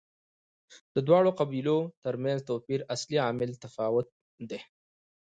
د دواړو قبیلو ترمنځ د توپیر اصلي عامل تفاوت دی.